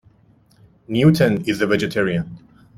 Newton is a vegetarian.